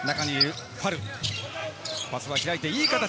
パスが開いていい形。